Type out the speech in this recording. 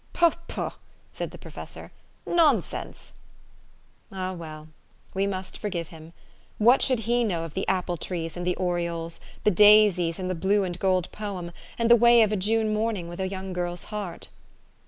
"Poh, poh!" said the professor. " Nonsense !" Ah, well ! we must forgive him. "What should he know of the apple trees and the orioles, the daisies, and the blue and gold poem, and the way of a June morning with a young girl's heart?